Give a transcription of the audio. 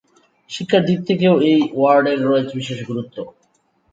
শিক্ষার দিক থেকেও এই ওয়ার্ডের রয়েছে বিশেষ গুরুত্ব।